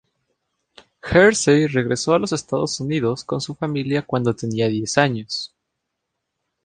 Hersey regresó a los Estados Unidos con su familia cuando tenía diez años.